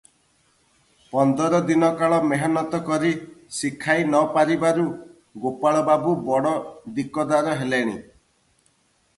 ପନ୍ଦର ଦିନକାଳ ମେହନତ କରି ଶିଖାଇ ନ ପାରିବାରୁ ଗୋପାଳବାବୁ ବଡ଼ ଦିକଦାର ହେଲେଣି ।